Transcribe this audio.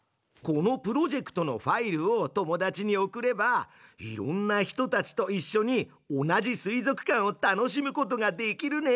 このプロジェクトのファイルを友達に送ればいろんな人たちといっしょに同じ水族館を楽しむことができるね！